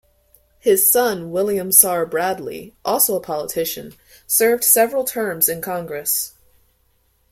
His son William Czar Bradley, also a politician, served several terms in Congress.